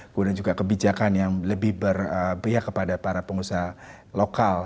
kemudian juga kebijakan yang lebih berpihak kepada para pengusaha lokal